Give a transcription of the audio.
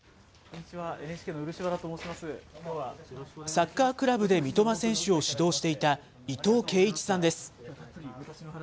サッカークラブで三笘選手を指導していた伊藤桂一さんです。